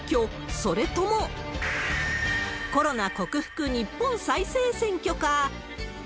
それともコロナ克服日本再生選挙か。